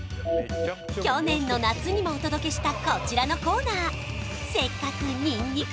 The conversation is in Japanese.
去年の夏にもお届けしたこちらのコーナー